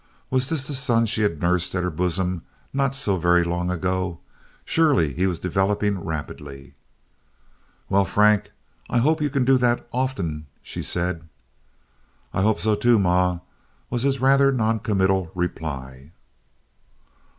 Was this the son she had nursed at her bosom not so very long before? Surely he was developing rapidly. "Well, Frank, I hope you can do that often," she said. "I hope so, too, ma," was his rather noncommittal reply.